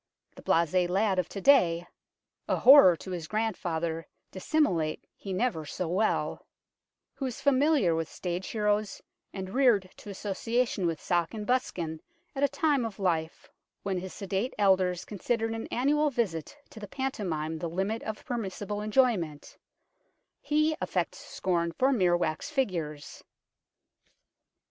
The blase lad of to day (a horror to his grandfather, dissimulate he never so well) who is familiar with stage heroes and reared to association with sock and buskin at a time of life when his sedate elders considered an annual visit to the pantomime the limit of permissible enjoyment he affects scorn for mere wax figures.